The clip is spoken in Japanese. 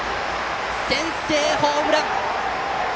先制ホームラン！